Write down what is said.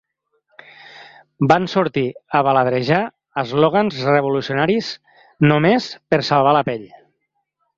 Van sortir a baladrejar eslògans revolucionaris només per salvar la pell.